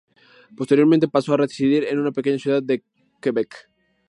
Posteriormente pasó a residir en una pequeña ciudad de Quebec.